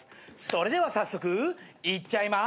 それでは早速いっちゃいま。